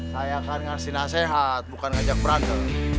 saya kan ngasih nasihat bukan ngajak berantem